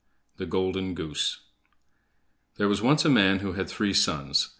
The Golden Goose There was once a man who had three sons.